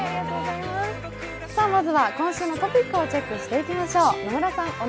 まずは、今週のトピックをチェックしていきましょう。